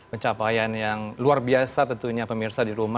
pencapaian yang luar biasa tentunya pemirsa di rumah